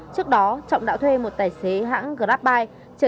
trước đó trọng đạo thuê một tài xế hãng grabbike